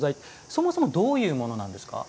そもそもどういうものなんですか。